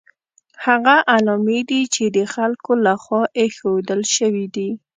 هغه علامې دي چې د خلکو له خوا ایښودل شوي دي.